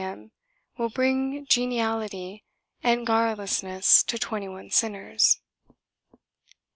m. will bring geniality and garrulousness to twenty one sinners.